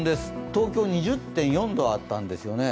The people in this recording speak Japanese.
東京は２０．４度あったんですよね。